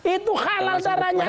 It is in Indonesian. itu halal darahnya